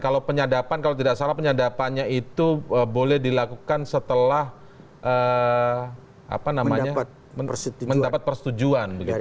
kalau penyadapan kalau tidak salah penyadapannya itu boleh dilakukan setelah mendapat persetujuan